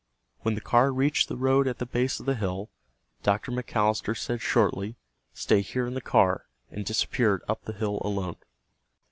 When the car reached the road at the base of the hill, Dr. McAllister said shortly, "Stay here in the car," and disappeared up the hill alone.